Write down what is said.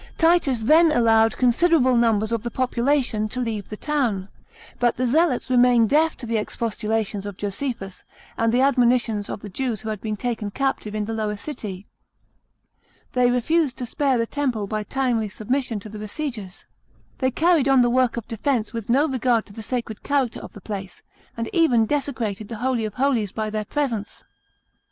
Titus then allowed considerable numbers of the population to leave the town ; but the Zealots remained deaf to the expostulations of Josephus, and the admonitions of the Jews who had been taken captive in the lower city. They refused to spare the temple by timely submission to the besiegers. They carried on the work of defence with no regard to the sacred character of the place, and even desecrated the Holy of Holies by their presence.